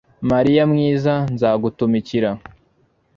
mariya mwiza nzagutumikira